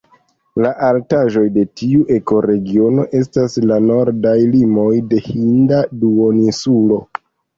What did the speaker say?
La altaĵoj de tiu ekoregiono estas la nordaj limoj de Hinda duoninsulo.